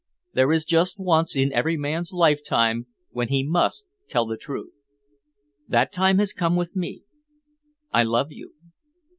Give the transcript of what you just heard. There is just once in every man's lifetime when he must tell the truth. That time has come with me I love you."